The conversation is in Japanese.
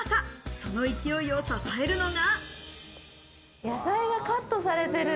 その勢いを支えるのが。